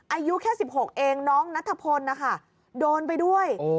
อายุแค่๑๖เองน้องนัทพลนะคะโดนไปด้วย